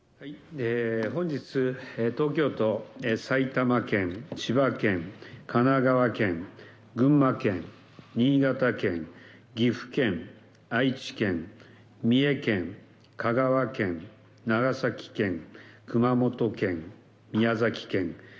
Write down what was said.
本日、東京都、埼玉県、千葉県神奈川県、群馬県、新潟県岐阜県、愛知県、三重県香川県、長崎県、熊本県、宮崎県。